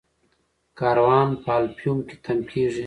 کاروان په الفیوم کې تم کیږي.